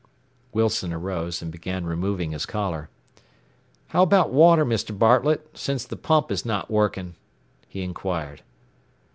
Wilson arose and began removing his collar. "How about water, Mr. Bartlett, since the pump is not working?" he inquired.